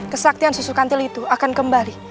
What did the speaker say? kesaktian susu kantil itu akan kembali